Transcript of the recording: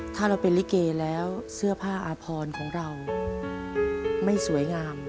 ถ้าเราเป็นลิเกแล้วเสื้อผ้าอาพรของเราไม่สวยงาม